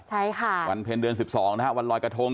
ใช่ค่ะวันเพลงเดือน๑๒นะฮะวันลอยกระทง